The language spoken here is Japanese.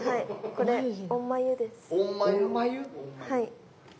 はい。